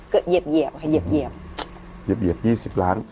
เกิดเหยียบเหยียบเหยียบเหยียบเหยียบเหยียบ๒๐ล้าน